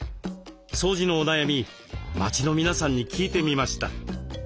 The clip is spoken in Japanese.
掃除のお悩み街の皆さんに聞いてみました。